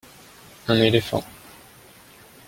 un éléphant.